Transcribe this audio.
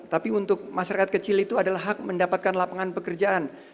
tapi untuk masyarakat kecil itu adalah hak mendapatkan lapangan pekerjaan